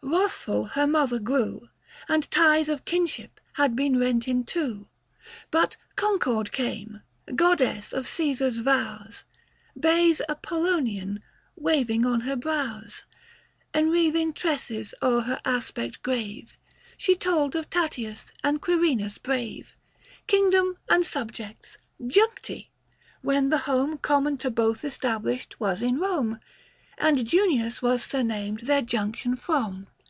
Wrathful her mother grew, And ties of kinship had been rent in two ; 100 But Concord came, goddess of Caesar's vows, Bays Apollonean waviug on her brows, Enwreathing tresses o'er her aspect grave. She told of Tatius and Quirinus brave, Kingdoms and subjects "juncti," when the home 105 Common to both established was in Koine ; And Junius was surnamed their junction from.